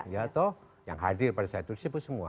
ya toh yang hadir pada saat itu disebut semua